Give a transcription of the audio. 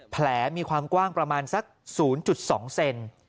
มีความกว้างประมาณสัก๐๒เซน